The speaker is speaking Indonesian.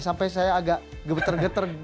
sampai saya agak gebetar gebetar